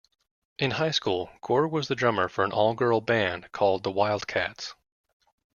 In high school, Gore was the drummer for an all-girl band called the Wildcats.